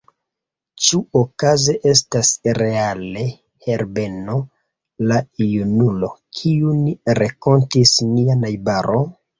Ĉu okaze estas reale Herbeno la junulo, kiun renkontis nia najbaro?